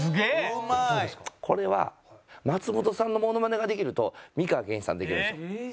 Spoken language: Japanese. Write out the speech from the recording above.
これは松本さんのものまねができると美川憲一さんできるんですよ。